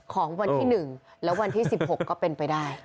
ของวันที่๑และวันที่๑๖ก็เป็นไปได้